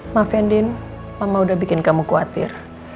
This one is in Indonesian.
ma fendin mama udah bikin kamu khawatir